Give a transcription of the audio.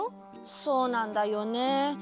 そうなんだよね